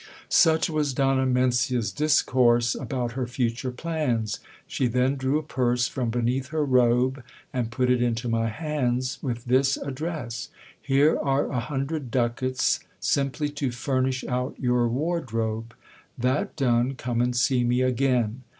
Such was Donna Mencia's discourse about her future plans. She then drew a purse from beneath her robe, and put it into my hands, with this address : Here are a hundred ducats simply to furnish out your wardrobe. That done, come and see me again.